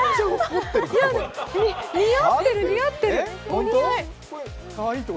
似合ってる、似合ってる、お似合い！